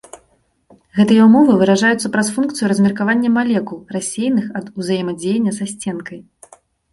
Гэтыя ўмовы выражаюцца праз функцыю размеркавання малекул, рассеяных ад узаемадзеяння са сценкай.